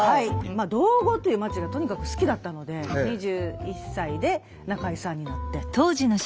道後という街がとにかく好きだったので２１歳で仲居さんになって。